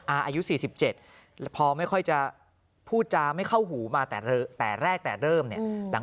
อายุ๔๗พอไม่ค่อยจะพูดจาไม่เข้าหูมาแต่แรกแต่เริ่มเนี่ย